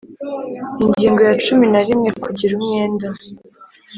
Ingingo ya cumi na rimwe : Kugira umwenda